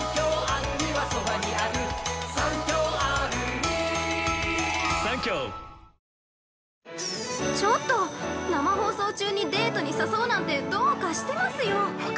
「ミノン」◆ちょっと、生放送中にデートに誘うなんてどうかしてますよ。